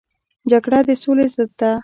جګړه د سولې ضد ده